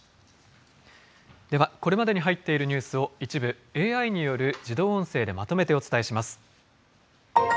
では、これまでに入っているニュースを一部、ＡＩによる自動音声でまとめてお伝えします